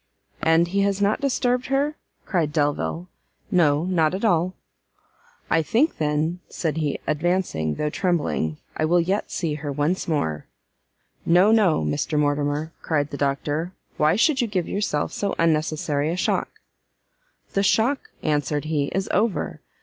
"And he has not disturbed her?" cried Delvile. "No, not at all." "I think, then," said he, advancing, though trembling, "I will yet see her once more." "No, no, Mr Mortimer," cried the doctor, "why should you give yourself so unnecessary a shock?" "The shock," answered he, "is over!